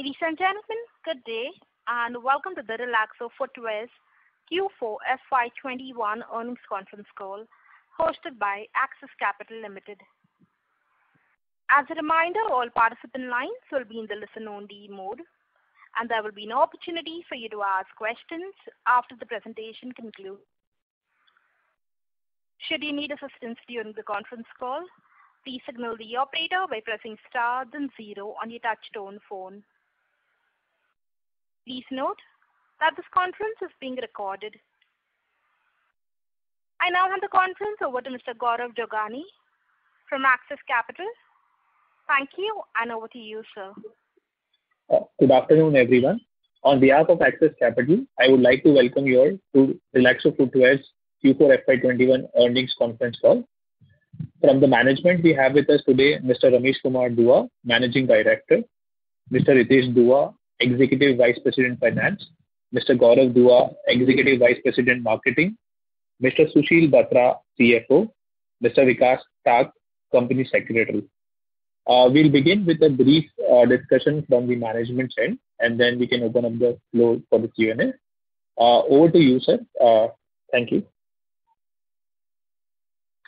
Ladies and gentlemen, good day. Welcome to the Relaxo Footwears Q4 FY 2021 earnings conference call hosted by Axis Capital Limited. As a reminder, all participant lines will be in the listen-only mode. There will be an opportunity for you to ask questions after the presentation concludes. Should you need assistance during the conference call, please signal the operator by pressing star then zero on your touch tone phone. Please note that this conference is being recorded. I now hand the conference over to Mr. Gaurav Jogani from Axis Capital. Thank you, and over to you, sir. Good afternoon, everyone. On behalf of Axis Capital, I would like to welcome you all to Relaxo Footwears Q4 FY 2021 earnings conference call. From the management we have with us today, Mr. Ramesh Kumar Dua, Managing Director. Mr. Ritesh Dua, Executive Vice President, Finance. Mr. Gaurav Dua, Executive Vice President, Marketing. Mr. Sushil Batra, Chief Financial Officer. Mr. Vikas Tak, Company Secretary. We'll begin with a brief discussion from the management side, and then we can open up the floor for the Q&A. Over to you, sir. Thank you.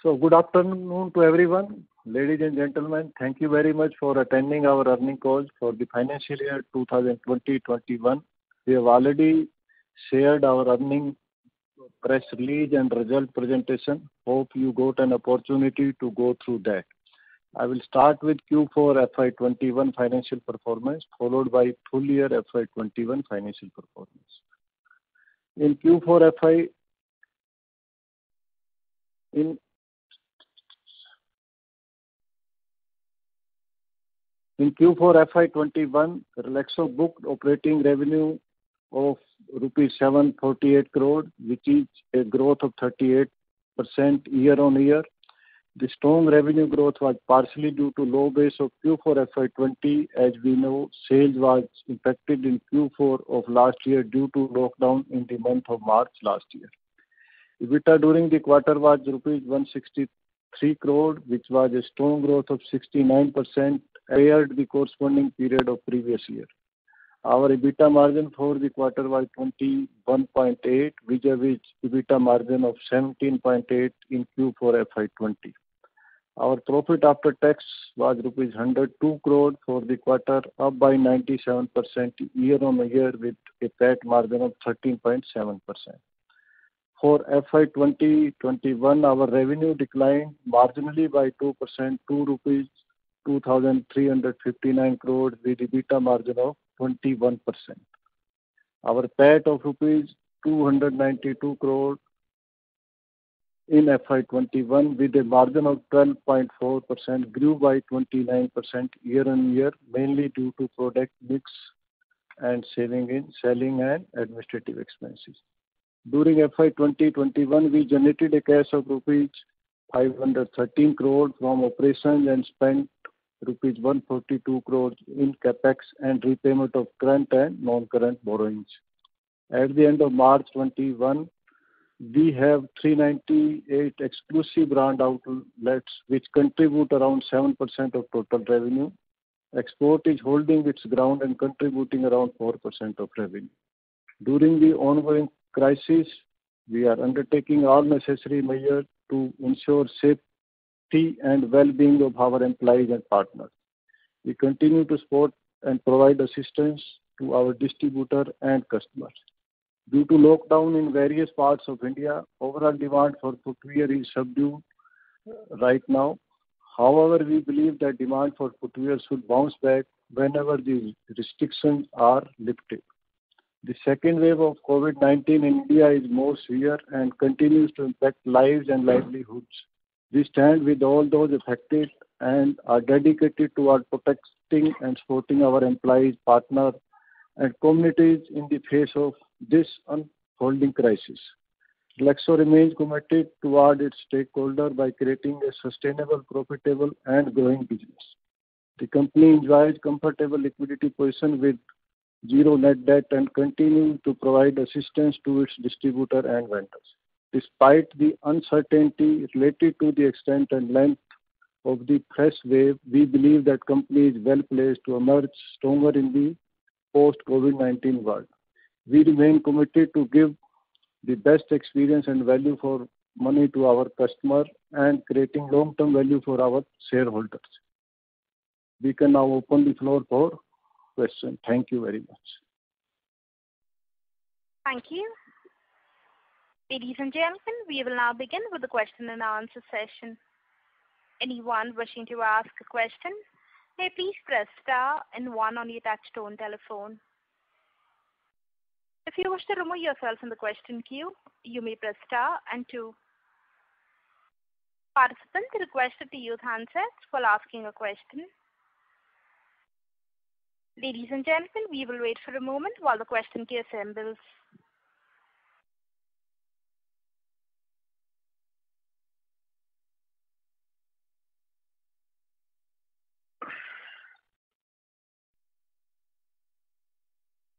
Good afternoon to everyone. Ladies and gentlemen, thank you very much for attending our earnings call for the financial year 2020-2021. We have already shared our earnings press release and result presentation. Hope you got an opportunity to go through that. I will start with Q4 FY 2021 financial performance, followed by full year FY 2021 financial performance. In Q4 FY 2021, Relaxo booked operating revenue of rupees 738 crore, which is a growth of 38% year-on-year. The strong revenue growth was partially due to low base of Q4 FY 2020. As we know, sales was impacted in Q4 of last year due to lockdown in the month of March last year. EBITDA during the quarter was rupees 163 crore, which was a strong growth of 69% compared the corresponding period of previous year. Our EBITDA margin for the quarter was 21.8%, vis-à-vis EBITDA margin of 17.8% in Q4 FY 2020. Our profit after tax was rupees 102 crore for the quarter, up by 97% year-on-year, with a PAT margin of 13.7%. For FY 2021, our revenue declined marginally by 2% to 2,359 crore, with EBITDA margin of 21%. Our PAT of rupees 292 crore in FY 2021, with a margin of 12.4%, grew by 29% year-on-year, mainly due to product mix and saving in selling and administrative expenses. During FY 2021, we generated a cash of rupees 513 crore from operations and spent rupees 142 crore in CapEx and repayment of current and non-current borrowings. At the end of March 2021, we have 398 exclusive brand outlets which contribute around 7% of total revenue. Export is holding its ground and contributing around 4% of revenue. During the ongoing crisis, we are undertaking all necessary measures to ensure safety and well-being of our employees and partners. We continue to support and provide assistance to our distributors and customers. Due to lockdown in various parts of India, overall demand for footwear is subdued right now. However, we believe that demand for footwear should bounce back whenever the restrictions are lifted. The second wave of COVID-19 in India is more severe and continues to impact lives and livelihoods. We stand with all those affected and are dedicated toward protecting and supporting our employees, partners, and communities in the face of this unfolding crisis. Relaxo remains committed toward its stakeholders by creating a sustainable, profitable, and growing business. The company enjoys comfortable liquidity position with zero net debt and continuing to provide assistance to its distributors and vendors. Despite the uncertainty related to the extent and length of the fresh wave, we believe that company is well-placed to emerge stronger in the post-COVID-19 world. We remain committed to give the best experience and value for money to our customers and creating long-term value for our shareholders. We can now open the floor for questions. Thank you very much. Thank you. Ladies and gentlemen, we will now begin with the question and answer session.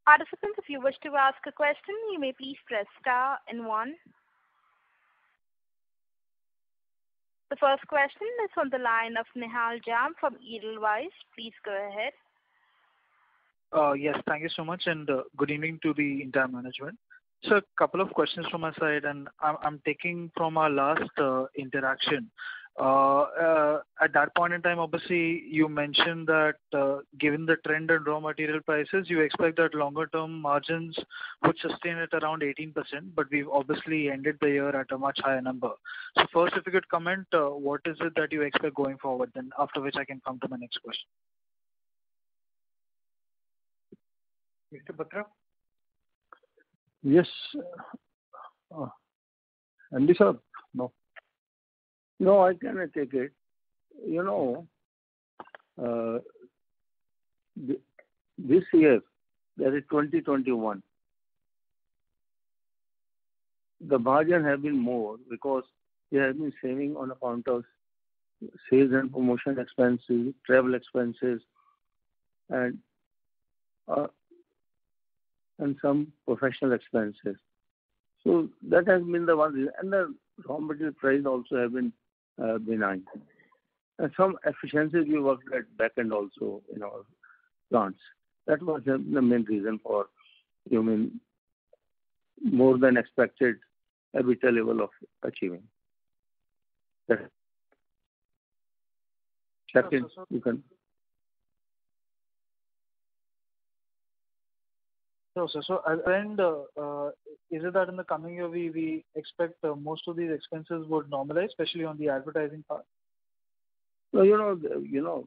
The first question is on the line of Nikhil Jain from Edelweiss. Please go ahead. Yes. Thank you so much, and good evening to the entire management. A couple of questions from my side, and I'm taking from our last interaction. At that point in time, obviously, you mentioned that given the trend of raw material prices, you expect that longer-term margins would sustain at around 18%, but we've obviously ended the year at a much higher number. First, if you could comment, what is it that you expect going forward then? After which I can come to my next question. Mr. Batra? Yes. Anisha? No. No, I can take it. This year, that is 2021, the margin have been more because we have been saving on account of sales and promotion expenses, travel expenses, and some professional expenses. That has been the one. The raw material price also have been benign. Some efficiency we worked at backend also in our plants. That was the main reason for more than expected EBITDA level of achievement. Captain, you can. Sir, is it that in the coming year, we expect most of these expenses would normalize, especially on the advertising part? We have to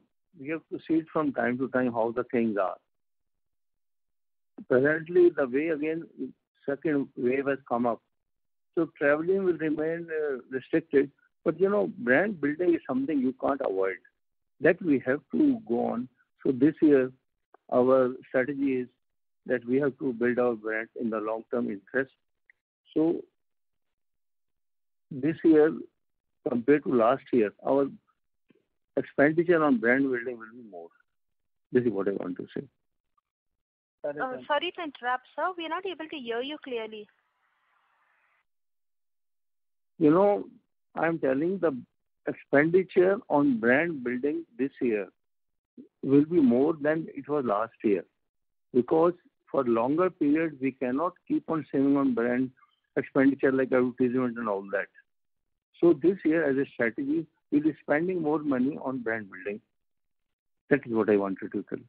see it from time to time how the things are. Presently, the second wave has come up. Traveling will remain restricted. Brand building is something you can't avoid. That we have to go on. This year, our strategy is that we have to build our brand in the long-term interest. This year, compared to last year, our expenditure on brand building will be more. This is what I want to say. Sorry to interrupt, sir. We're not able to hear you clearly. I'm telling the expenditure on brand building this year will be more than it was last year. For longer periods, we cannot keep on saving on brand expenditure like advertisement and all that. This year, as a strategy, we'll be spending more money on brand building. That is what I wanted to tell you.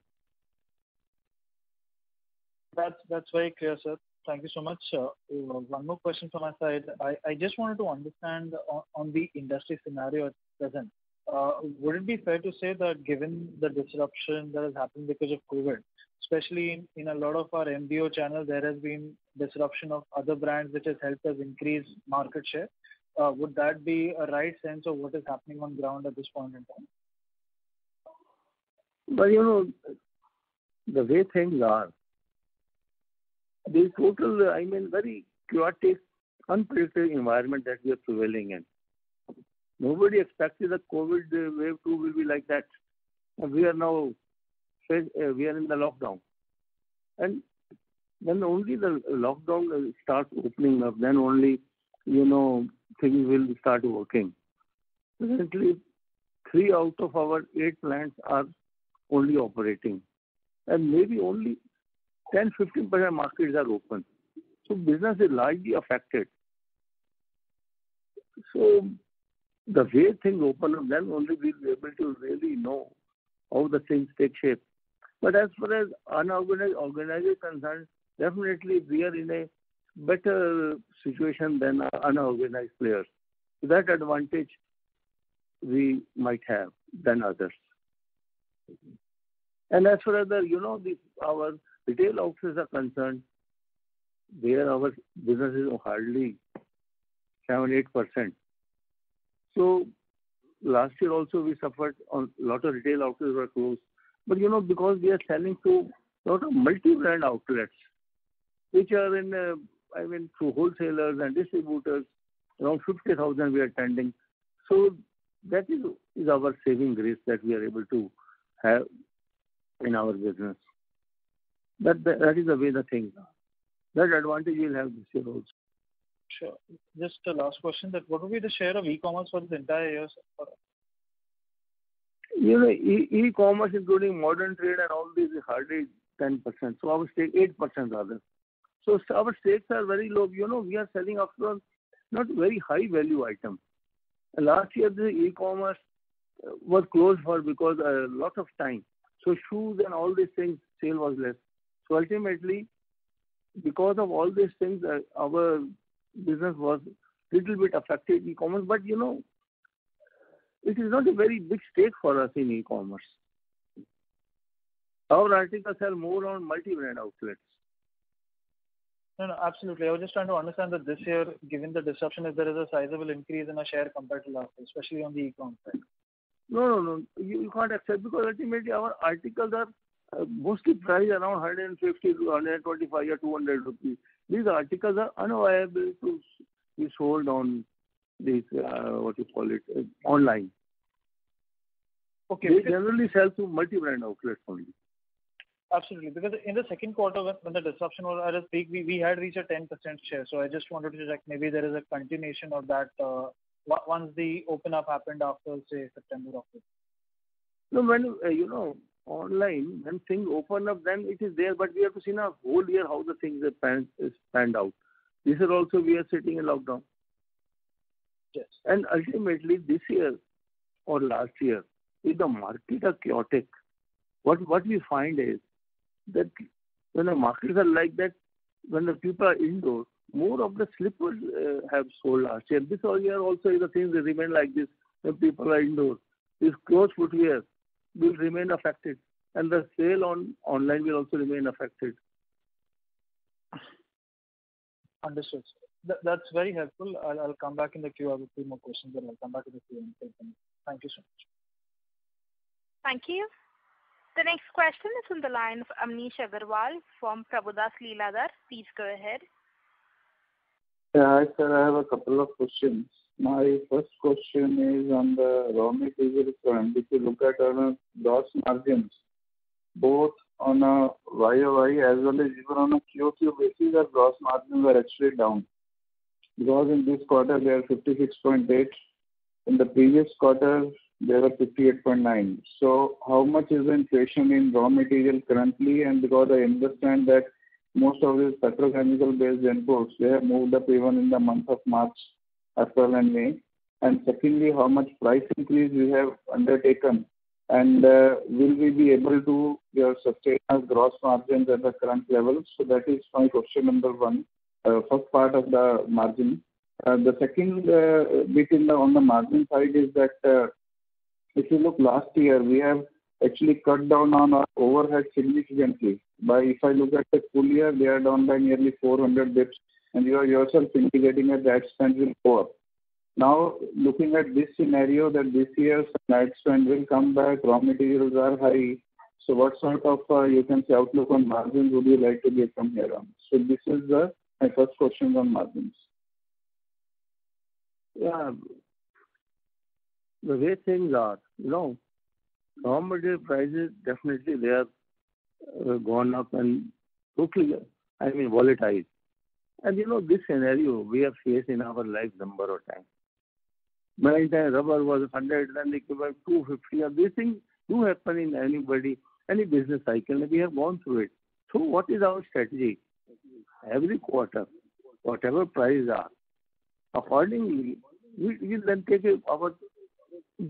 That's very clear, sir. Thank you so much, sir. One more question from my side. I just wanted to understand on the industry scenario at present. Wouldn't it be fair to say that given the disruption that has happened because of COVID, especially in a lot of our MBO channels, there has been disruption of other brands which has helped us increase market share. Would that be a right sense of what is happening on ground at this point in time? The way things are, this total very chaotic, unpredictable environment that we are prevailing in. Nobody expected the COVID-19 wave two will be like that, and we are now in the lockdown. When only the lockdown will start opening up, then only things will start working. Presently, three out of our eight plants are only operating, and maybe only 10%-15% of markets are open. Business is largely affected. The way things open up, then only we'll be able to really know how the things take shape. As far as organized is concerned, definitely we are in a better situation than unorganized players. That advantage we might have than others. As far as our retail outlets are concerned, there our business is hardly 7%-8%. Last year also we suffered, a lot of retail outlets were closed. Because we are selling to a lot of multi-brand outlets, which are through wholesalers and distributors, around 50,000 we are attending. That is our saving grace that we are able to have in our business. That is the way the things are. That advantage we'll have this year also. Sure. Just a last question. What will be the share of e-commerce for the entire year, sir? E-commerce, including modern trade and all, this is hardly 10%, so I would say 8% rather. Our stakes are very low. We are selling, after all, not very high-value items. Last year, the e-commerce was closed for a lot of time. Shoes and all these things, sale was less. Ultimately, because of all these things, our business was little bit affected, e-commerce. It is not a very big stake for us in e-commerce. Our articles sell more on multi-brand outlets. No, absolutely. I was just trying to understand that this year, given the disruption, if there is a sizable increase in our share compared to last year, especially on the e-commerce side. No, no. You will not accept because ultimately our articles are mostly priced around INR 150-INR 125 or INR 200. These articles are not viable to be sold online. Okay. We generally sell to multi-brand outlets only. Absolutely. In the second quarter when the disruption was there, we had reached a 10% share. I just wanted to check maybe there is a continuation of that once the open up happened after, say, September, October. Online, when things open up, then it is there. We have seen our whole year how the things have panned out. This year also we are sitting in lockdown. Yes. Ultimately this year or last year, if the market are chaotic, what we find is that when the markets are like that, when the people are indoors, more of the slippers have sold last year. This whole year also you have seen the remain like this, when people are indoors. This closed footwear will remain affected, and the sale on online will also remain affected. Understood, sir. That's very helpful. I'll come back. If you have a few more questions, I'll come back with you and take them. Thank you so much. Thank you. The next question is on the line from Amnish Aggarwal from Prabhudas Lilladher. Please go ahead. Yeah, I have a couple of questions. My first question is on the raw material front. If you look at our gross margins, both on a year-on-year as well as even on a quarter-on-quarter basis, our gross margins are actually down. In this quarter they are 56.8%, in the previous quarter they were 58.9%. How much is inflation in raw material currently? I understand that most of your petrochemical-based imports, they have moved up even in the month of March as well in May. Secondly, how much price increase you have undertaken, and will we be able to sustain our gross margins at the current levels? That is my question number one, first part of the margin. The second bit on the margin side is that if you look last year, we have actually cut down on our overhead significantly. If I look at the full year, we are down by nearly 400 basis, and you are yourself indicating that ad spend is poor. Looking at this scenario that this year ad spend will come back, raw materials are high. What sort of outlook on margin would you like to give from here on? This is my first question on margins. The way things are, raw material prices definitely they have gone up and I mean, volatile. This scenario we have faced in our life number of times. Many times rubber was INR 100, then it went 250. These things do happen in any business cycle. We have gone through it. What is our strategy? Every quarter, whatever prices are, accordingly, we then take our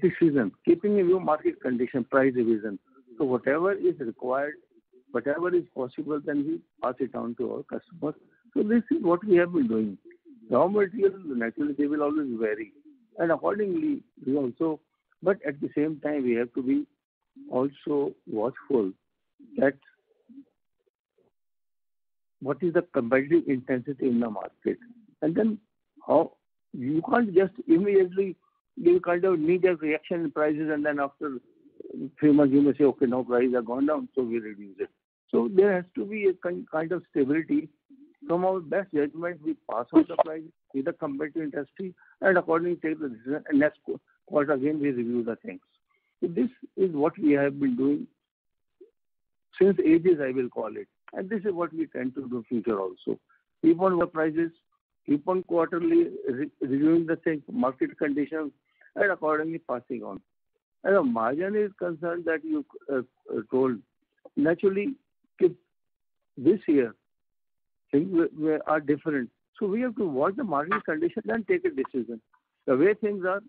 decision, keeping in view market condition, price revision. Whatever is required, whatever is possible, then we pass it on to our customer. This is what we have been doing. Raw materials, naturally, they will always vary. Accordingly, we also-- But at the same time, we have to be also watchful that what is the competitive intensity in the market. Then you can't just immediately do kind of immediate reaction prices and then after three months you say, "Okay, now prices have gone down, so we reduce it." There has to be a kind of stability from our best judgment we pass on to prices with the competitive industry, and accordingly take the decision and that's what again we review the things. This is what we have been doing since ages, I will call it, and this is what we intend to do future also. Keep on raw prices, keep on quarterly reviewing the market condition, accordingly passing on. Margin is concerned that you told, naturally, this year things are different. We have to watch the margin condition and take a decision. The way things are,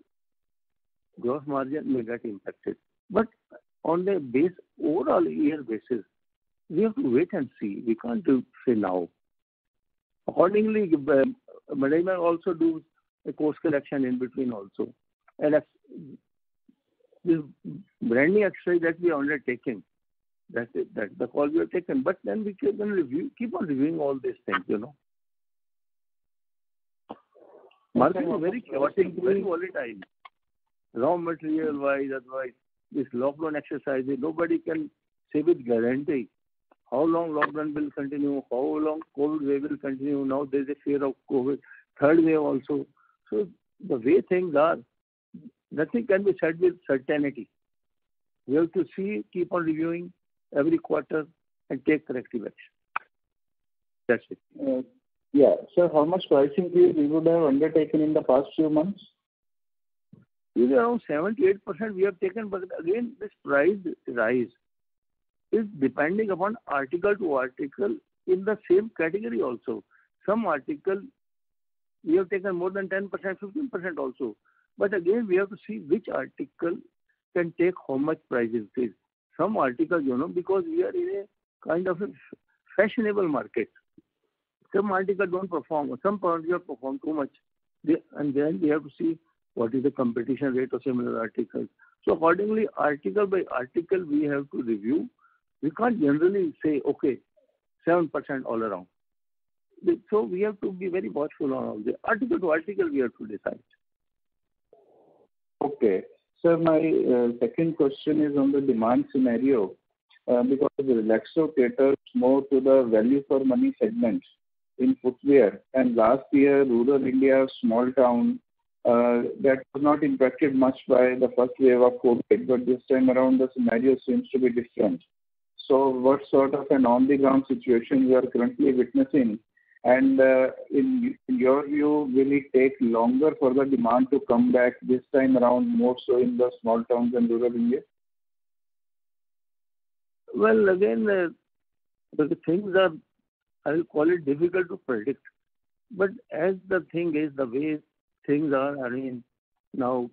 gross margin may get impacted. On the overall year basis, we have to wait and see. We can't say now. Accordingly, management also do a course correction in between also. Many actions that we've already taken. That's the call we have taken. We keep on reviewing all these things. Margin is very chaotic, very volatile. Raw material-wise, otherwise, this lockdown exercises, nobody can say with guarantee how long lockdown will continue, how long COVID-19 wave will continue. Now there's a fear of COVID-19 third wave also. The way things are, nothing can be said with certainty. We have to see, keep on reviewing every quarter and take corrective action. That's it. How much price increase you would have undertaken in the past few months? Around 7%-8% we have taken. Again, this price rise is depending upon article to article in the same category also. Some article we have taken more than 10%, 15% also. Again, we have to see which article can take how much price increase. Some articles, because we are in a kind of a fashionable market, don't perform well, some articles perform too much. Then we have to see what is the competition rate of similar articles. Accordingly, article by article we have to review. We can't generally say, okay, 7% all around. We have to be very watchful on all that. Article to article we have to decide. Okay. Sir, my second question is on the demand scenario. Relaxo caters more to the value for money segment in footwear. Last year, rural India, small town, that was not impacted much by the first wave of COVID, but this time around the scenario seems to be different. What sort of an on-the-ground situation you are currently witnessing, and in your view, will it take longer for the demand to come back this time around, more so in the small towns and rural India? Well, again, the things are, I'll call it, difficult to predict. As the thing is, the way things are, I mean, now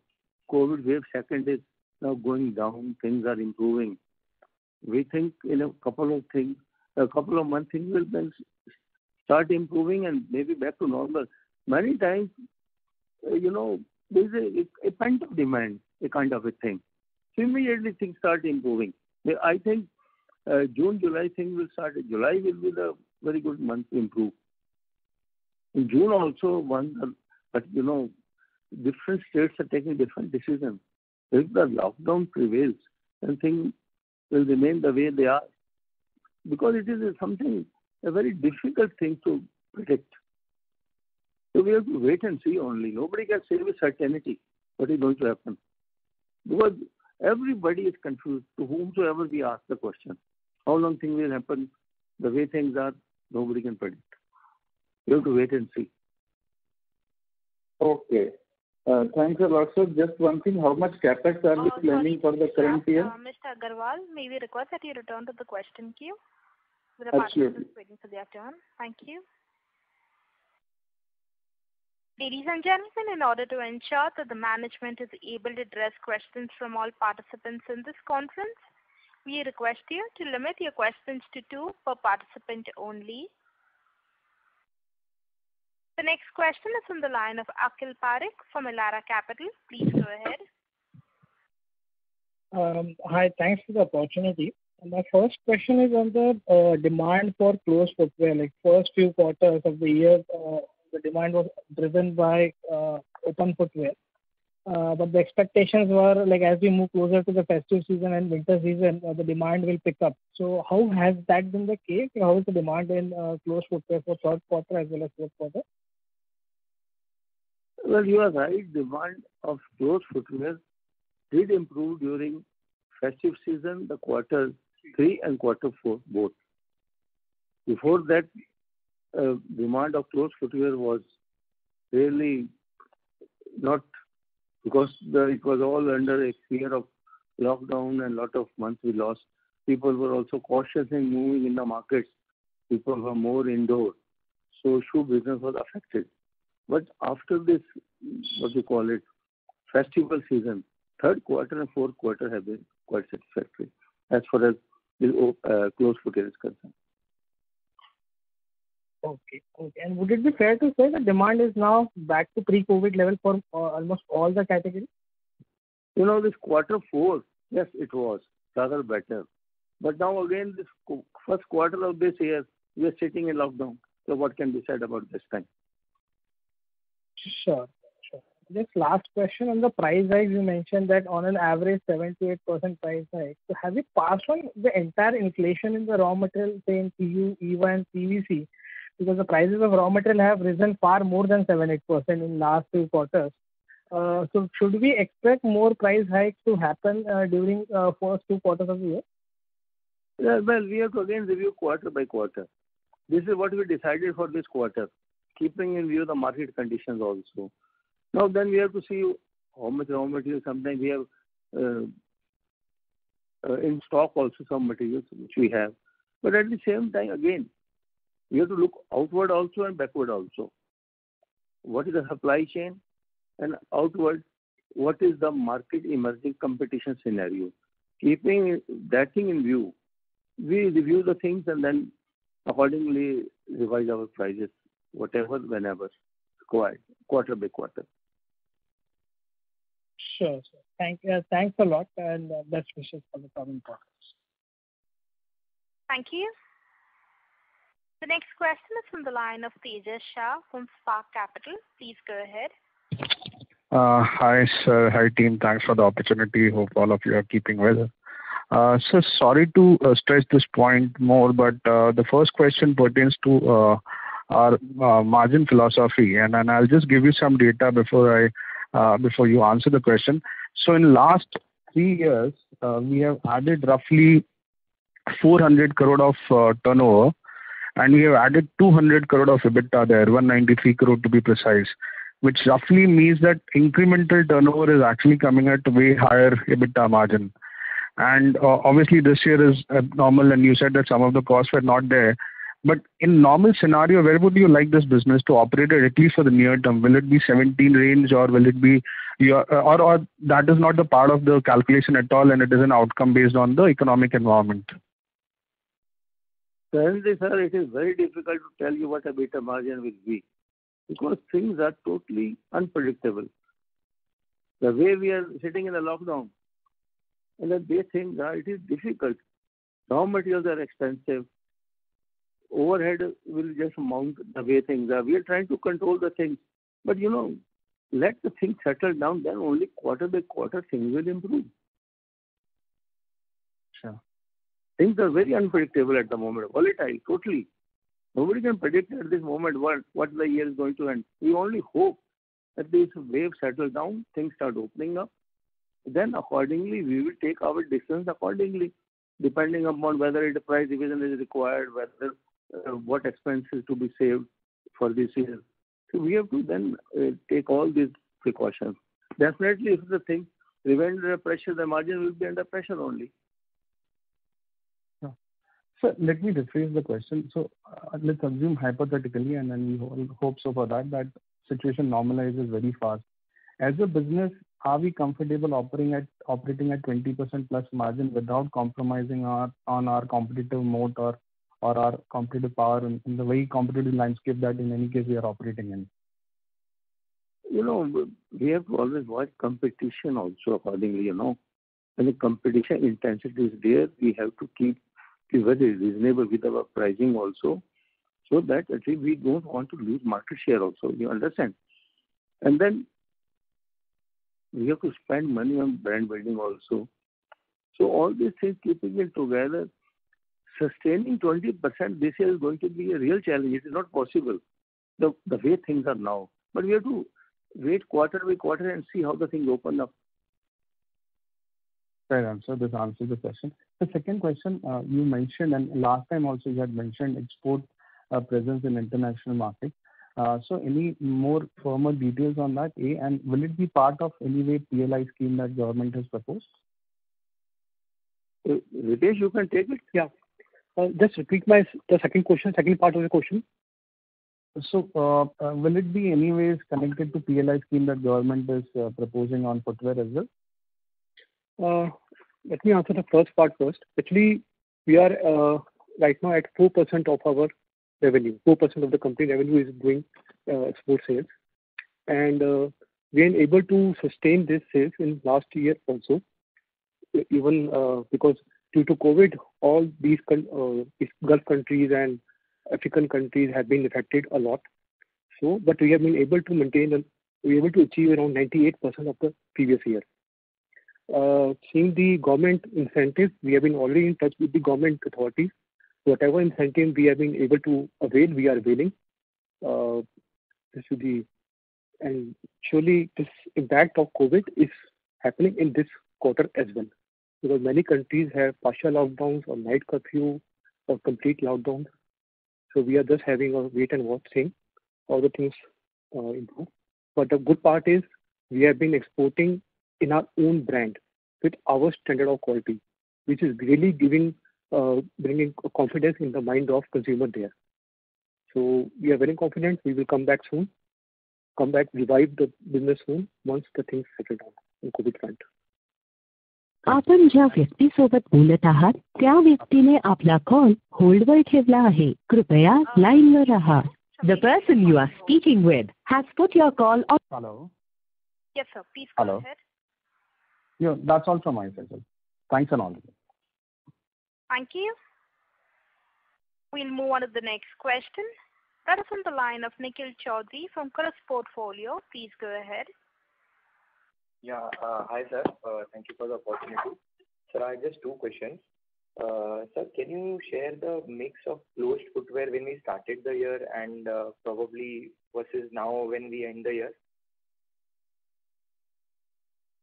COVID-19 wave two is now going down, things are improving. We think in a couple of months things will then start improving and maybe back to normal. Many times, there's a pent-up demand kind of a thing. Similarly, things start improving. I think June, July things will start. July will be the very good month to improve. In June also, different states are taking different decision. If the lockdown prevails, then things will remain the way they are. It is a very difficult thing to predict. We have to wait and see only. Nobody can say with certainty what is going to happen. Everybody is confused to whomsoever we ask the question, how long things will happen, the way things are, nobody can predict. We have to wait and see. Okay. Thanks a lot, sir. Just one thing, how much CapEx are you planning for the current year? Mr. Aggarwal, may we request that you return to the question queue? Absolutely. There are colleagues waiting for their turn. Thank you. Ladies and gentlemen, in order to ensure that the management is able to address questions from all participants in this conference, we request you to limit your questions to two per participant only. The next question is from the line of Akhil Parekh from Elara Capital. Please go ahead. Hi. Thanks for the opportunity. My first question is on the demand for closed footwear. First few quarters of the year, the demand was driven by open footwear. The expectations were, as we move closer to the festive season and winter season, the demand will pick up. How has that been the case? How is the demand in closed footwear for third quarter as well as fourth quarter? Well, you are right, demand of closed footwear did improve during festive season, the quarter three and quarter four both. Before that, demand of closed footwear was really not because it was all under a fear of lockdown and lot of monthly loss. People were also cautious in moving in the market. People were more indoor. Shoe business was affected. After this, what you call it, festival season, third quarter and fourth quarter have been quite satisfactory as far as closed footwear is concerned. Okay. Would it be fair to say the demand is now back to pre-COVID level for almost all the categories? You know this quarter four, yes, it was rather better. Now again, this first quarter of this year, we are sitting in lockdown. What can be said about this time? Sure. Just last question on the price hike, you mentioned that on an average 7%-8% price hike. Have you passed on the entire inflation in the raw material say in PU, EVA, and PVC? Because the prices of raw material have risen far more than 7%-8% in last two quarters. Should we expect more price hikes to happen during first two quarters of the year? We have to again review quarter-by-quarter. This is what we decided for this quarter, keeping in view the market conditions also. We have to see how much raw material, sometimes we have in stock also some materials which we have. At the same time again, we have to look outward also and backward also. What is the supply chain and outward, what is the market emerging competition scenario? Keeping that thing in view, we review the things and then accordingly revise our prices, whatever, whenever, quarter-by-quarter. Sure, sir. Thanks a lot and best wishes for the coming quarters. Thank you. The next question is from the line of Tejas Shah from Spark Capital. Please go ahead. Hi, sir. Hi, team. Thanks for the opportunity. Hope all of you are keeping well. Sir, sorry to stretch this point more, but the first question pertains to our margin philosophy, and I'll just give you some data before you answer the question. In last three years, we have added roughly 400 crore of turnover, and we have added 200 crore of EBITDA there, 193 crore to be precise, which roughly means that incremental turnover is actually coming at way higher EBITDA margin. Obviously this year is abnormal, and you said that some of the costs were not there. In normal scenario, where would you like this business to operate at least for the near term? Will it be 17% range or that is not a part of the calculation at all and it is an outcome based on the economic environment? To tell you, sir, it is very difficult to tell you what EBITDA margin will be because things are totally unpredictable. The way we are sitting in a lockdown, under these things it is difficult. Raw materials are expensive. Overhead will just mount the way things are. We are trying to control the things. Let the thing settle down, then only quarter by quarter things will improve. Sure. Things are very unpredictable at the moment. Volatile, totally. Nobody can predict at this moment what the year is going to end. We only hope that these waves settle down, things start opening up, then accordingly we will take our decisions accordingly, depending upon whether a price revision is required, what expense is to be saved for this year. We have to then take all these precautions. Definitely, this is the thing. Revenue is under pressure, the margin will be under pressure only. Sure. Sir, let me rephrase the question. Let's assume hypothetically, we all hope so for that situation normalizes very fast. As a business, are we comfortable operating at 20%+ margin without compromising on our competitive moat or our competitive power in the very competitive landscape that in any case we are operating in? We have to always watch competition also accordingly. When the competition intensity is there, we have to keep, be very reasonable with our pricing also, so that at least we don't want to lose market share also. You understand? We have to spend money on brand building also. All these things keeping it together, sustaining 20% this year is going to be a real challenge. It is not possible the way things are now. We have to wait quarter by quarter and see how the things open up. Fair answer. This answers the question. The second question, you mentioned, and last time also you had mentioned export presence in international market. Any more formal details on that, and will it be part of any way PLI scheme that government has proposed? Ritesh, you can take it. Yeah. Just repeat the second question, second part of the question. will it be any ways connected to PLI scheme that government is proposing on footwear as well? Let me answer the first part first. Actually, we are right now at 4% of our revenue. 4% of the company revenue is doing export sales. We have been able to sustain this sales in last year also. Even because due to COVID, all these Gulf countries and African countries have been affected a lot. We have been able to maintain and we are able to achieve around 98% of the previous year. Seeing the government incentive, we have been already in touch with the government authorities. Whatever incentive we have been able to avail, we are availing. Surely this impact of COVID is happening in this quarter as well. Because many countries have partial lockdowns or night curfew or complete lockdown. We are just having a wait and watch saying all the things improve. The good part is we have been exporting in our own brand with our standard of quality, which is really bringing confidence in the mind of consumer there. We are very confident we will come back soon, revive the business soon once the things settle down in COVID front. Hello. Yes, sir. Please go ahead. Hello. No, that's all from my side, sir. Thanks and all. Thank you. We'll move on to the next question. That is on the line of Nikhil Chaudhary from Kotak Portfolio. Please go ahead. Yeah. Hi, sir. Thank you for the opportunity. Sir, I have just two questions. Sir, can you share the mix of closed footwear when we started the year and probably versus now when we end the year?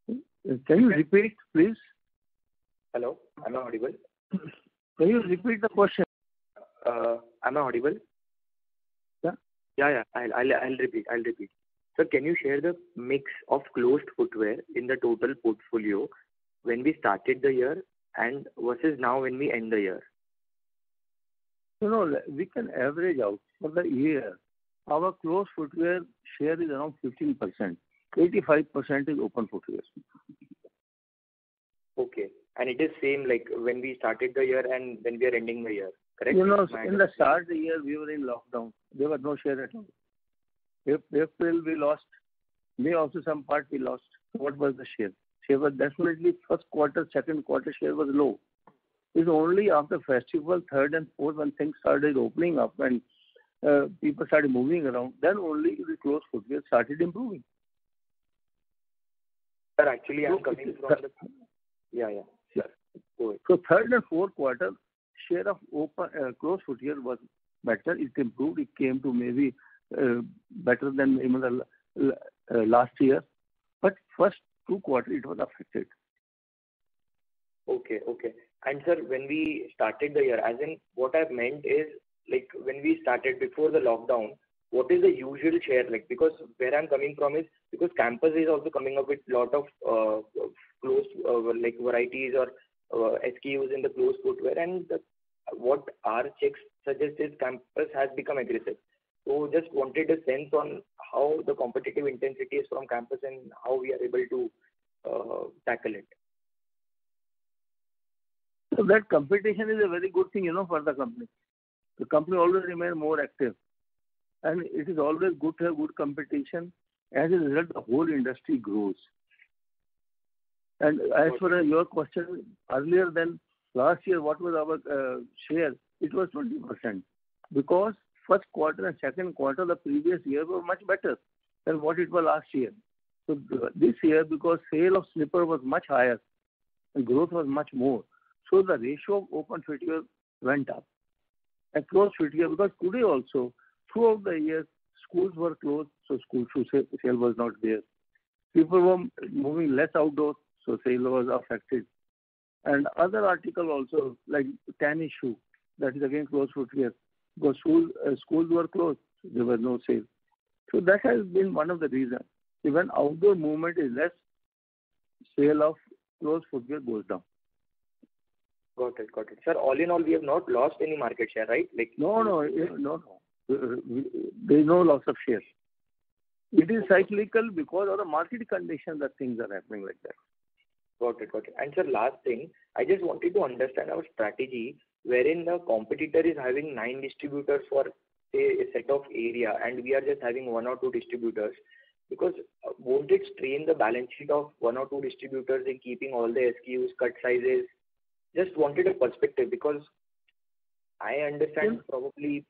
Can you repeat it, please? Hello, am I audible? Can you repeat the question? Am I audible? Yeah. Yeah. I'll repeat. Sir, can you share the mix of closed footwear in the total portfolio when we started the year and versus now when we end the year? We can average out for the year. Our closed footwear share is around 15%. 85% is open footwear. Okay. It is same like when we started the year and when we are ending the year, correct? In the start of the year, we were in lockdown. There were no share at all. April, we lost. May also some part we lost. What was the share? Share was definitely first quarter, second quarter share was low. It's only after festival, third and fourth, when things started opening up and people started moving around, then only the closed footwear started improving. Sir, actually I'm coming from. Yeah. Sure. Go ahead. Third and fourth quarter, share of closed footwear was better. It improved. It came to maybe better than even the last year. First two quarters, it was affected. Okay. Sir, when we started the year, as in, what I meant is, when we started before the lockdown, what is the usual share like? Where I'm coming from is, Campus is also coming up with lot of closed varieties or SKUs in the closed footwear. What our checks suggest is Campus has become aggressive. Just wanted a sense on how the competitive intensity is from Campus and how we are able to tackle it. Sir, that competition is a very good thing for the company. The company always remains more active, and it is always good to have good competition. As a result, the whole industry grows. As per your question earlier than last year, what was our share? It was 20%. First quarter and second quarter the previous year were much better than what it was last year. This year, because sale of slipper was much higher and growth was much more, so the ratio of open footwear went up. Closed footwear, because today also, throughout the year, schools were closed, so school shoe sale was not there. People were moving less outdoor, sales was affected. Other articles also, like canvas shoe, that is again closed footwear. Schools were closed, so there were no sales. That has been one of the reasons. Even outdoor movement is less, sale of closed footwear goes down. Got it. Sir, all in all, we have not lost any market share, right? No, there's no loss of shares. It is cyclical because of the market condition that things are happening like that. Got it. Sir, last thing, I just wanted to understand our strategy wherein the competitor is having nine distributors for a set of area, and we are just having one or two distributors, because won't it strain the balance sheet of one or two distributors in keeping all the SKUs, categories? Just wanted a perspective, because I understand probably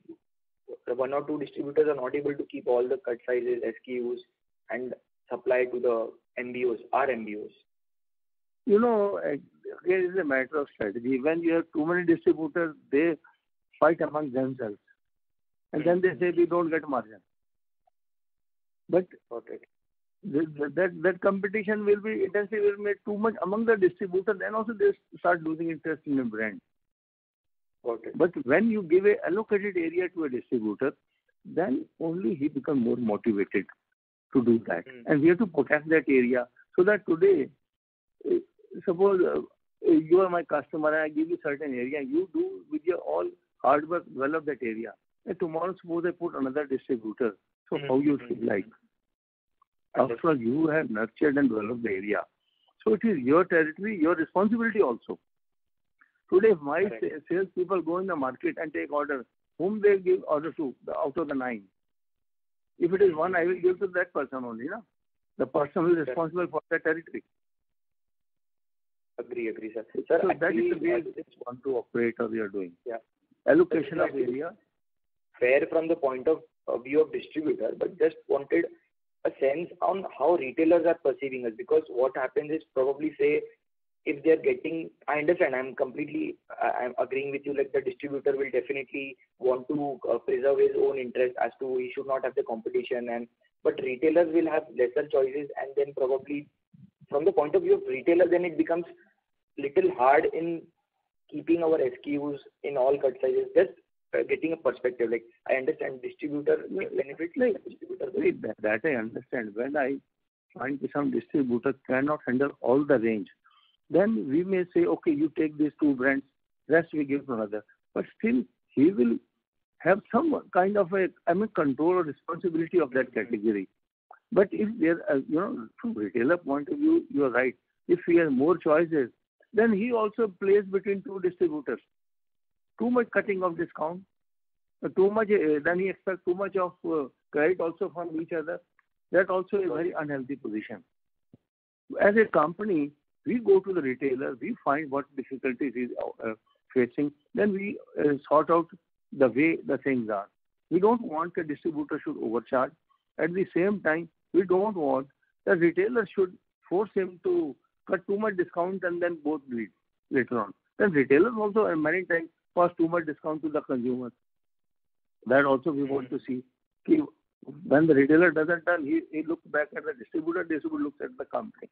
the one or two distributors are not able to keep all the categories, SKUs, and supply to our MBOs. You know, again, it's a matter of strategy. When you have too many distributors, they fight among themselves, and then they say they don't get margin. Okay. That competition will be intense, it will be too much among the distributors, then also they start losing interest in the brand. Okay. When you give an allocated area to a distributor, then only he becomes more motivated to do that. We have to protect that area so that today, suppose you are my customer, I give you certain area, you do with your all hard work develop that area, and tomorrow suppose I put another distributor. How you will feel like? After all, you have nurtured and developed the area. It is your territory, your responsibility also. Today, my sales people go in the market and take orders. Whom they give orders to out of the nine? If it is one, I will give to that person only. The person who is responsible for that territory. Agree. That is the way we want to operate as we are doing. Yeah. Allocation of area. Fair from the point of view of distributor, but just wanted a sense on how retailers are perceiving us. What happens is probably, say, I understand, I'm completely agreeing with you that the distributor will definitely want to preserve his own interest as to he should not have the competition. Retailers will have lesser choices, and then probably from the point of view of retailer, then it becomes little hard in keeping our SKUs in all categories. Just getting a perspective. I understand distributor may benefit. That I understand. When I find some distributors cannot handle all the range, then we may say, "Okay, you take these two brands, rest we give to another." Still, he will have some kind of a control or responsibility of that category. From retailer point of view, you're right. If he has more choices, then he also plays between two distributors. Too much cutting of discount. He expects too much of credit also from each other. That also a very unhealthy position. As a company, we go to the retailer, we find what difficulty he's facing, then we sort out the way the things are. We don't want a distributor should overcharge. At the same time, we don't want the retailer should force him to cut too much discount and then both bleed later on. The retailers also many times pass too much discount to the consumer. That also we want to see. When the retailer doesn't earn, he looks back at the distributor looks at the company.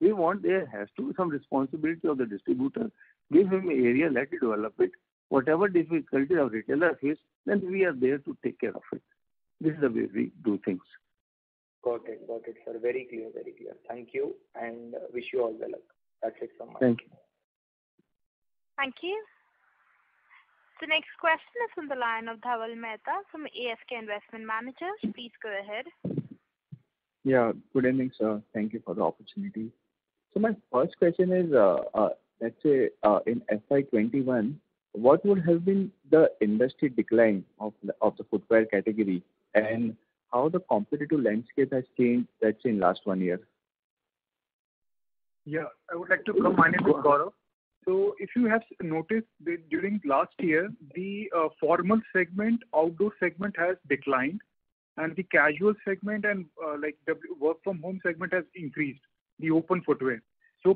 There has to be some responsibility of the distributor. Give him the area, let him develop it. Whatever difficulty the retailer face, then we are there to take care of it. This is the way we do things. Got it, sir. Very clear. Thank you, and wish you all the luck. That's it from my side. Thank you. Thank you. Next question is from the line of Dhaval Mehta from ASK Investment Managers. Please go ahead. Good evening, sir. Thank you for the opportunity. My first question is, let's say, in FY 2021, what would have been the industry decline of the footwear category and how the competitive landscape has changed, let's say, in last one year? Yeah. I would like to combine it with Gaurav. If you have noticed that during last year, the formal segment, outdoor segment has declined, and the casual segment and work from home segment has increased. The open footwear.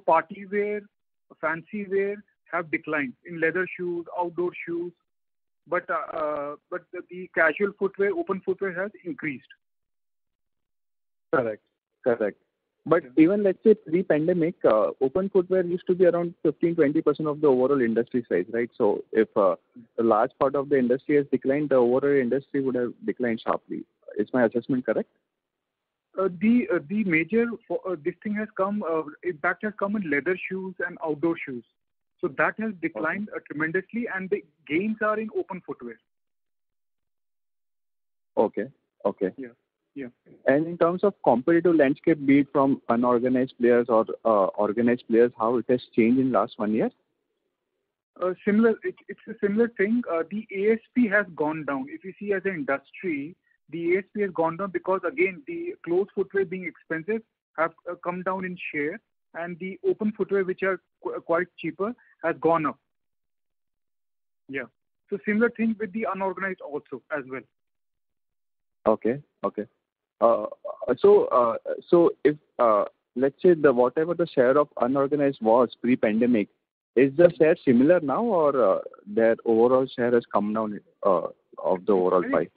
Party wear, fancy wear have declined. In leather shoes, outdoor shoes. The casual footwear, open footwear has increased. Correct. Even, let's say, pre-pandemic, open footwear used to be around 15%-20% of the overall industry size, right? If a large part of the industry has declined, the overall industry would have declined sharply. Is my adjustment correct? The major decline has come in leather shoes and outdoor shoes. That has declined tremendously, and the gains are in open footwear. Okay. Yeah. In terms of competitive landscape made from unorganized players or organized players, how it has changed in last one year? It's a similar thing. The ASP has gone down. If you see as an industry, the ASP has gone down because, again, the closed footwear being expensive has come down in share, and the open footwear, which are quite cheaper, has gone up. Yeah. Similar thing with the unorganized also, as well. Okay. Let's say, whatever the share of unorganized was pre-pandemic, is the share similar now or their overall share has come down of the overall pie?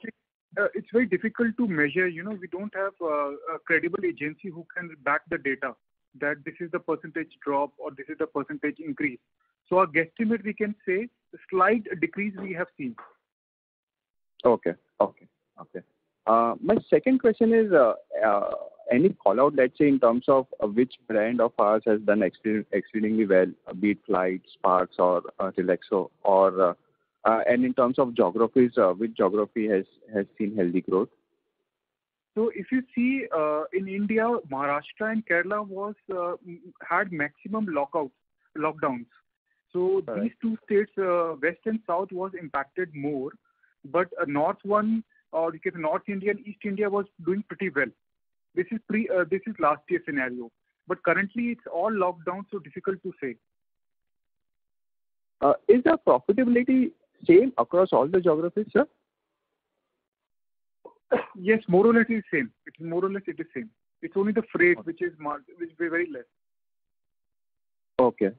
It's very difficult to measure. We don't have a credible agency who can back the data that this is the percentage drop or this is the percentage increase. Our guesstimate, we can say, slight decrease we have seen. Okay. My second question is, any call-out, let's say, in terms of which brand of ours has done exceedingly well, be it Flite, Sparx or Relaxo? In terms of geographies, which geography has seen healthy growth? If you see, in India, Maharashtra and Kerala had maximum lockdowns. These two states, west and south, were impacted more, but north India and east India were doing pretty well. This is last year's scenario. Currently it's all lockdown, so difficult to say. Is the profitability same across all the geographies, sir? Yes, more or less it is same. It's only the freight which will be very less. Okay.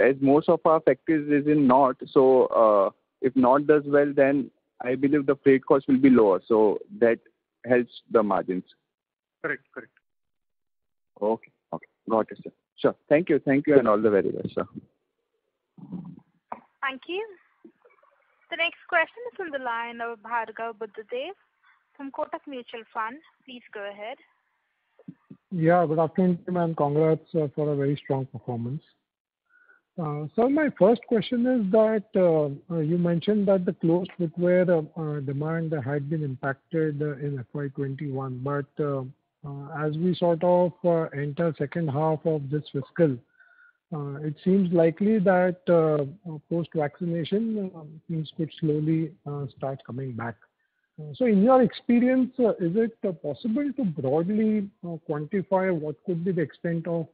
As most of our factories is in North. If North does well, then I believe the freight cost will be lower. That helps the margins. Correct. Okay. Noted, sir. Thank you, and all the very best, sir. Thank you. The next question is from the line of Bhargav Buddhadev from Kotak Mutual Fund. Please go ahead. Yeah. Good afternoon, ma'am. Congrats for a very strong performance. Sir, my first question is that you mentioned that the closed footwear demand had been impacted in FY 2021, but as we sort of enter second half of this fiscal, it seems likely that post-vaccination things could slowly start coming back. In your experience, is it possible to broadly quantify what could be the extent of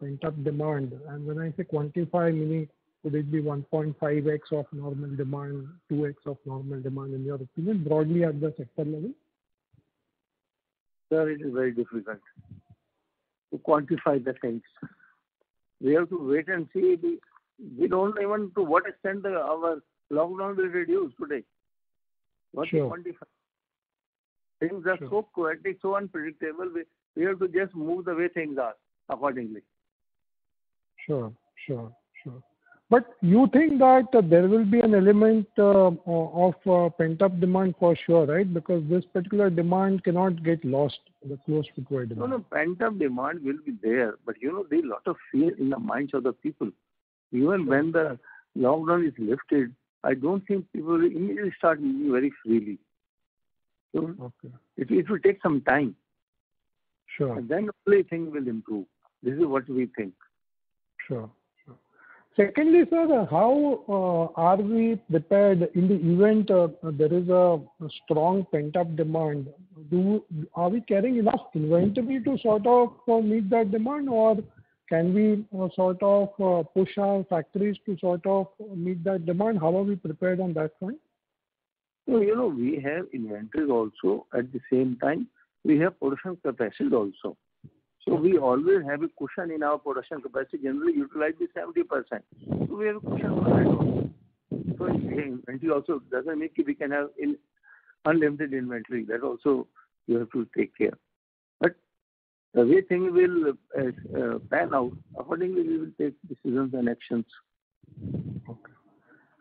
pent-up demand? And when I say quantify, I mean could it be 1.5x of normal demand, 2x of normal demand in your opinion, broadly at the sector level? Sir, it is very difficult to quantify the things. We have to wait and see. We don't know even to what extent our lockdown will reduce today. Sure. Things are so unpredictable. We have to just move the way things are, accordingly. Sure. You think that there will be an element of pent-up demand for sure, right? Because this particular demand cannot get lost, the closed footwear demand. No, pent-up demand will be there. There's a lot of fear in the minds of the people. Even when the lockdown is lifted, I don't think people will immediately start moving very freely. Okay. It will take some time. Sure. Slowly things will improve. This is what we think. Sure. Secondly, sir, how are we prepared in the event there is a strong pent-up demand? Are we carrying enough inventory to sort of meet that demand, or can we sort of push our factories to sort of meet that demand? How are we prepared on that front? We have inventories also. At the same time, we have production capacity also. We always have a cushion in our production capacity, generally utilize the 70%. We have cushion right now. Inventory also, it doesn't mean we can have unlimited inventory. That also we have to take care. The way things will pan out, accordingly we will take decisions and actions.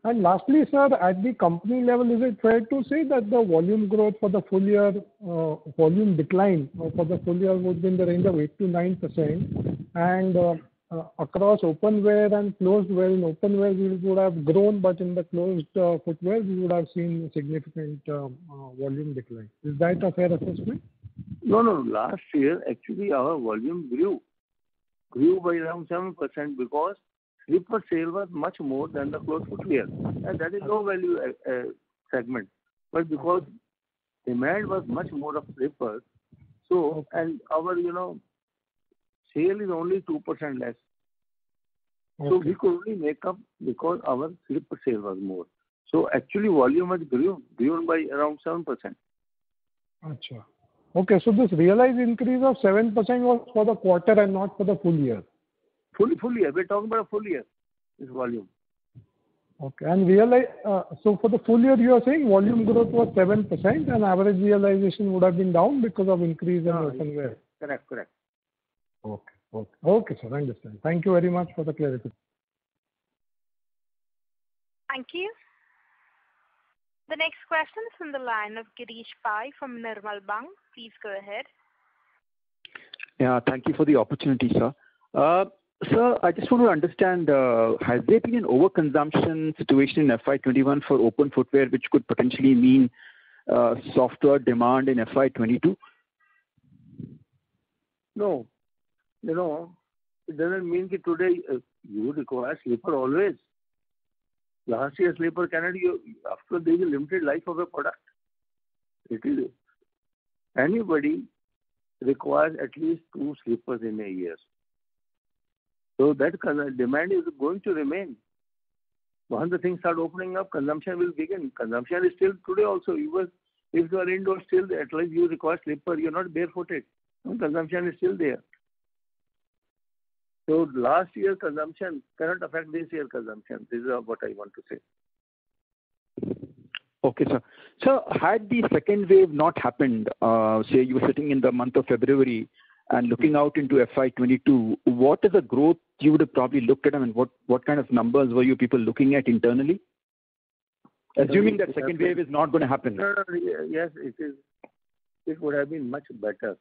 Okay. Lastly, sir, at the company level, is it fair to say that the volume decline for the full year would be in the range of 8%-9%? Across open wear and closed wear, in open wear you would have grown, but in the closed footwear you would have seen a significant volume decline. Is that a fair assessment? No. Last year, actually, our volume grew. Grew by around 7% because slipper sale was much more than the closed footwear. That is low-value segment. Because demand was much more of slippers. Okay. Our sale is only 2% less. Okay. We could only make up because our slipper sale was more. Actually, volume has grown by around 7%. Got you. Okay, this realized increase of 7% was for the quarter and not for the full year? Full year. We're talking about full year, this volume. Okay. For the full year, you are saying volume growth was 7%, and average realization would have been down because of increase in open wear. Correct. Okay, sir. Understood. Thank you very much for the clarity. Thank you. The next question is from the line of Girish Pai from Nirmal Bang. Please go ahead. Yeah, thank you for the opportunity, sir. Sir, I just want to understand, has there been an overconsumption situation in FY 2021 for open footwear, which could potentially mean softer demand in FY 2022? No. It doesn't mean that today you require a slipper always. After all, there's a limited life of a product. Anybody requires at least two slippers in a year. That demand is going to remain. Once the things start opening up, consumption will begin. Consumption is still today also, even if you are indoor still, at least you require slipper. You're not barefooted. Consumption is still there. Last year consumption cannot affect this year consumption. This is what I want to say. Okay, sir. Sir, had the second wave not happened, say you were sitting in the month of February and looking out into FY 2022, what is the growth you would have probably looked at? What kind of numbers were you people looking at internally? Assuming that second wave is not going to happen. Sir, yes, it would have been much better,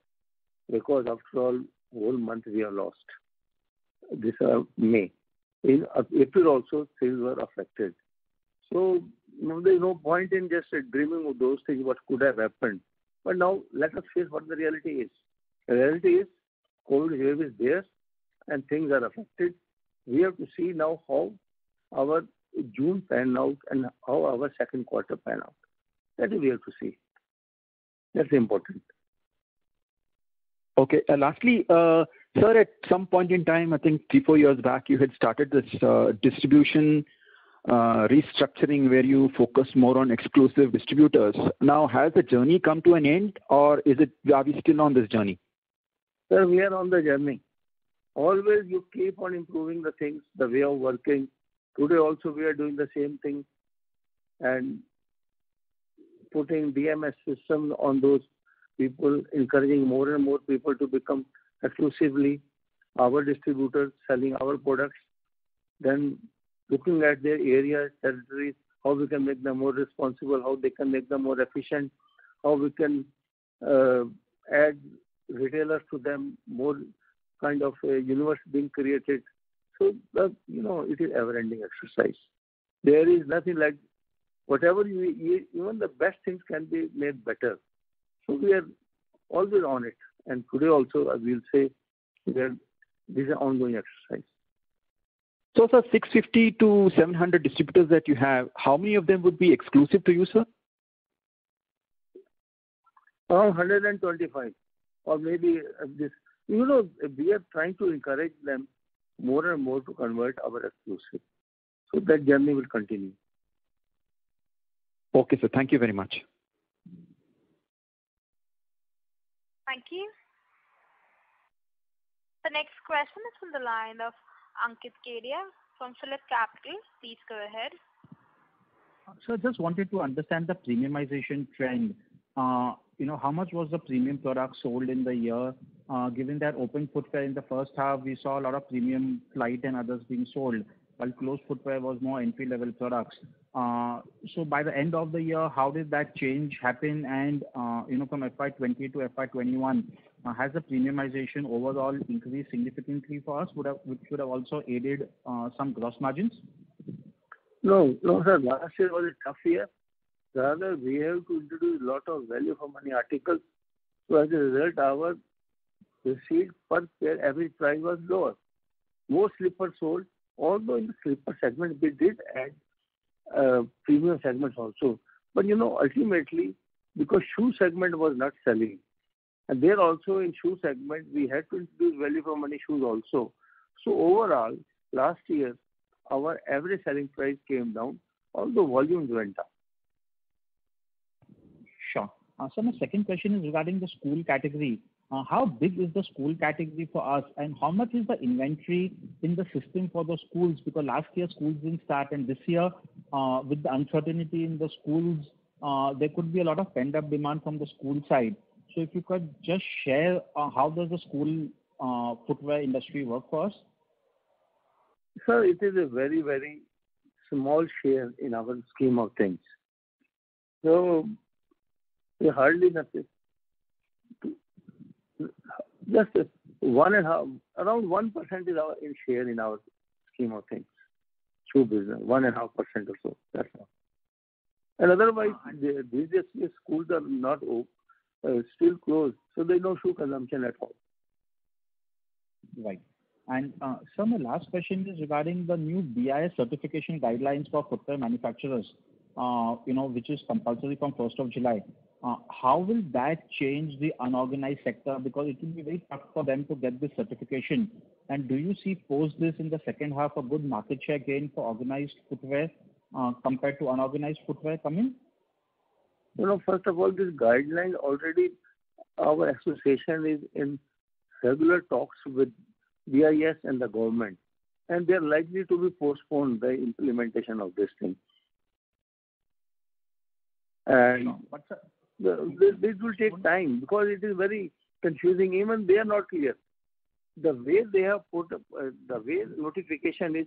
because after all, whole month we have lost. This May. In April also, things were affected. There's no point in just dreaming of those things what could have happened. Now let us face what the reality is. The reality is, COVID-19 wave is there and things are affected. We have to see now how our June pan out and how our second quarter pan out. That is we have to see. That's important. Okay. Lastly, sir, at some point in time, I think three, four years back, you had started this distribution restructuring where you focus more on exclusive distributors. Now, has the journey come to an end or are we still on this journey? Sir, we are on the journey. Always you keep on improving the things, the way of working. Putting DMS system on those people, encouraging more and more people to become exclusively our distributors, selling our products. Looking at their area, territories, how we can make them more responsible, how we can make them more efficient, how we can add retailers to them, more kind of a universe being created. It is ever-ending exercise. There is nothing like. Even the best things can be made better. We are always on it. Today also, I will say that this is an ongoing exercise. Sir, 650 distributors-700 distributors that you have, how many of them would be exclusive to you, sir? Around 125 distributors. We are trying to encourage them more and more to convert our exclusive. That journey will continue. Okay, sir. Thank you very much. Thank you. The next question is from the line of Ankit Kedia from PhillipCapital. Please go ahead. Sir, just wanted to understand the premiumization trend. How much was the premium product sold in the year? Given that open footwear in the first half, we saw a lot of premium Flite and others being sold, while closed footwear was more MRP level products. By the end of the year, how did that change happen and, from FY 2020-FY 2021, has the premiumization overall increased significantly for us? Which could have also aided some gross margins. No, sir. Last year was a tough year. Rather, we have to introduce lot of value for money articles. As a result, our receipt per pair average price was lower. More slippers sold, although in the slipper segment, we did add premium segments also. Ultimately, because shoe segment was not selling, and there also in shoe segment, we had to introduce value for money shoes also. Overall, last year, our average selling price came down, although volumes went up. Sure. Sir, my second question is regarding the school category. How big is the school category for us, and how much is the inventory in the system for the schools? Last year schools didn't start, and this year, with the uncertainty in the schools, there could be a lot of pent-up demand from the school side. If you could just share, how does the school footwear industry work for us? Sir, it is a very small share in our scheme of things. Hardly nothing. Just around 1% is our in share in our scheme of things. Shoe business, 1.5% or so, that's all. Otherwise, these days schools are not open, still closed, so there's no shoe consumption at all. Right. Sir, my last question is regarding the new BIS certification guidelines for footwear manufacturers which is compulsory from July 1st. How will that change the unorganized sector? It will be very tough for them to get the certification. Do you see post this in the second half a good market share gain for organized footwear compared to unorganized footwear coming? First of all, this guideline already, our association is in regular talks with BIS and the government, and they're likely to be postponed, the implementation of this thing. Sure. This will take time because it is very confusing. Even they are not clear. The way notification is,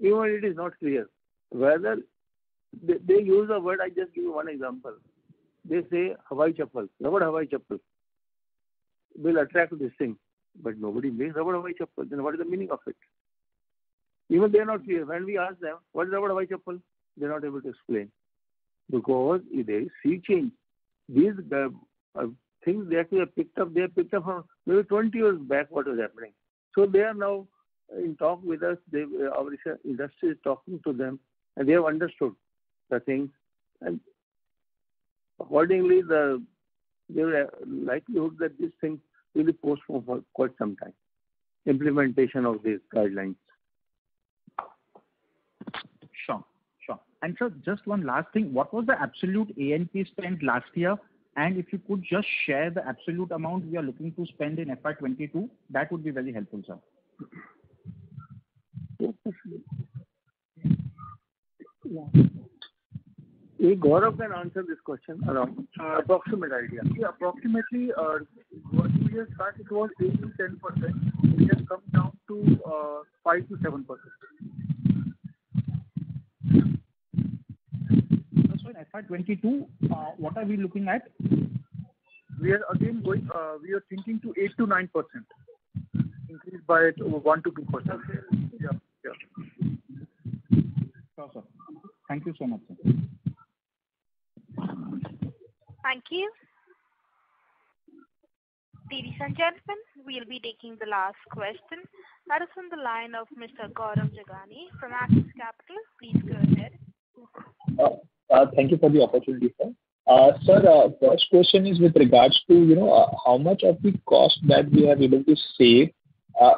even it is not clear. I just give you one example. They say, rubber Hawaii chappal will attract this thing, but nobody makes rubber Hawaii chappal, then what is the meaning of it? Even they are not clear. When we ask them, "What is the matter with Hawaii chappal?" They are not able to explain, because they see change. These things that we have picked up, they have picked up from maybe 20 years back what was happening. They are now in talk with us. Our research industry is talking to them, and they have understood the things, and accordingly, there is a likelihood that these things will be postponed for quite some time, implementation of these guidelines. Sure. Sir, just one last thing. What was the absolute A&P spend last year? If you could just share the absolute amount we are looking to spend in FY 2022, that would be very helpful, sir. Gaurav can answer this question around approximate idea. See, approximately, last year at start it was 8%-10%, it has come down to 5%-7%. That's why in FY 2022, what are we looking at? We are thinking to 8%-9%. Increase by 1%-2%. Okay. Yeah. Sure, sir. Thank you so much, sir. Thank you. Ladies and gentlemen, we'll be taking the last question. That is on the line of Mr. Gaurav Jogani from Axis Capital. Please go ahead. Thank you for the opportunity, sir. Sir, first question is with regards to how much of the cost that we are able to save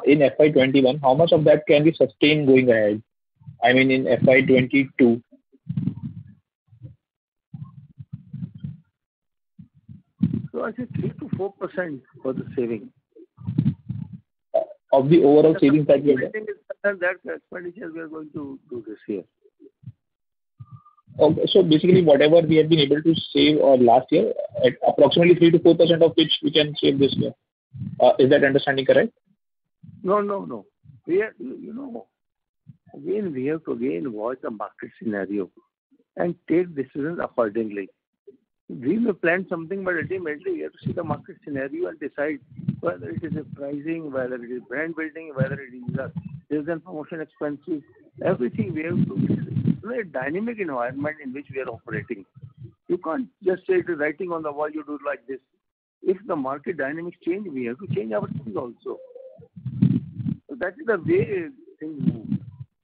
in FY 2021, how much of that can we sustain going ahead, I mean, in FY 2022? I said 3%-4% was the saving. Of the overall saving package? That expenditure we are going to do this year. Okay. Basically, whatever we have been able to save last year, approximately 3%-4% of it we can save this year. Is that understanding correct? No. We have to again watch the market scenario and take decisions accordingly. We may plan something, but ultimately, we have to see the market scenario and decide whether it is pricing, whether it is brand building, whether it is sales and promotion expenses. Everything we have to see. It's a very dynamic environment in which we are operating. You can't just say it is writing on the wall, you do like this. If the market dynamics change, we have to change our things also. That is the way things move.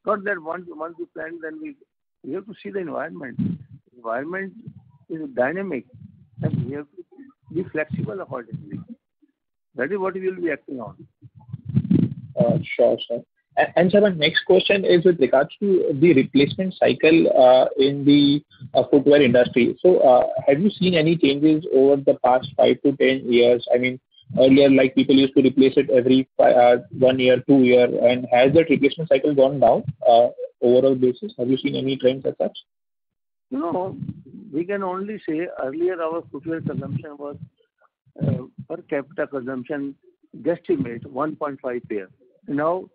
Not that once we plan, then we have to see the environment. Environment is dynamic, and we have to be flexible accordingly. That is what we will be acting on. Sure. Sir, my next question is with regards to the replacement cycle in the footwear industry. Have you seen any changes over the past five to 10 years? Earlier, people used to replace it every one year, two year. Has that replacement cycle gone down overall basis? Have you seen any trends as such? No. We can only say earlier our footwear assumption was per capita consumption guesstimate 1.5 pair. Now,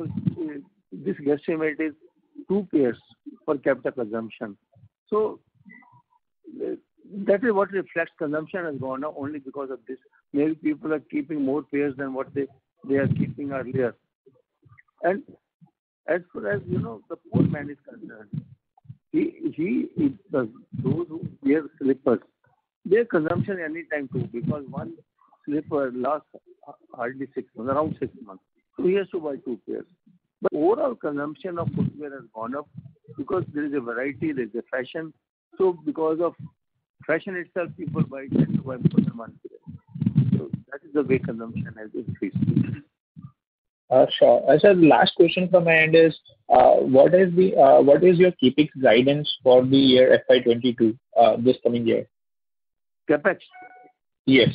this guesstimate is two pairs per capita consumption. That is what reflects consumption has gone up only because of this. Maybe people are keeping more pairs than what they were keeping earlier. As far as the poor man is concerned, those who wear slippers, their consumption any time too, because one slipper lasts hardly around six months. He has to buy two pairs. Overall consumption of footwear has gone up because there is a variety, there's a fashion. Because of fashion itself, people buy 10 pairs-12 pairs in one year. That is the way consumption has increased. Sure. Sir, last question from my end is, what is your CapEx guidance for the year FY 2022, this coming year? CapEx? Yes.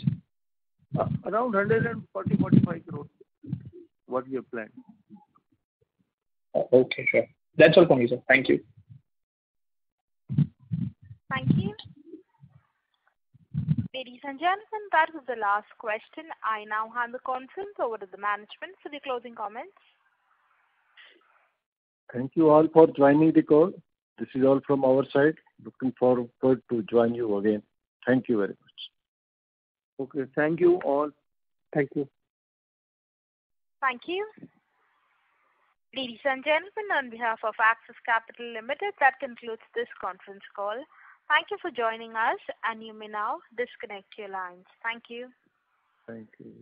Around 140 crores, INR 145 crores was we have planned. Okay, sure. That's all from me, sir. Thank you. Thank you. Ladies and gentlemen, that was the last question. I now hand the conference over to the management for their closing comments. Thank you all for joining the call. This is all from our side. Looking forward to join you again. Thank you very much. Okay. Thank you all. Thank you. Thank you. Ladies and gentlemen, on behalf of Axis Capital Limited, that concludes this conference call. Thank you for joining us, and you may now disconnect your lines. Thank you. Thank you.